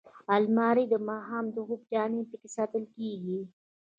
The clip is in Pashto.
الماري د ماښام د خوب جامې پکې ساتل کېږي